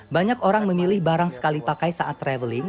banyak orang memilih barang sekali pakai saat traveling